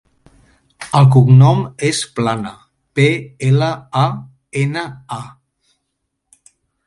El cognom és Plana: pe, ela, a, ena, a.